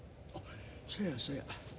そやそや。